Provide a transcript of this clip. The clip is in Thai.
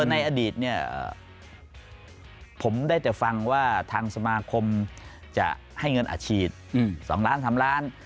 ในอดีตผมได้แต่ฟังว่าทางสมาคมจะให้เงินอัดฉีด๒๓ล้านบาท